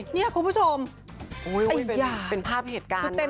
นี่คุณผู้ชมเป็นภาพเหตุการณ์